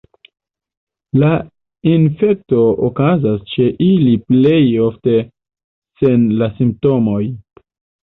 La infekto okazas ĉe ili plej ofte sen la simptomoj.